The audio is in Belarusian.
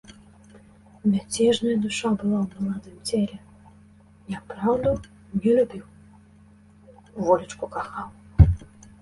Мяцежная душа была ў маладым целе, няпраўду не любіў, волечку кахаў.